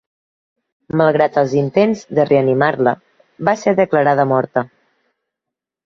Malgrat els intents de reanimar-la, va ser declarada morta.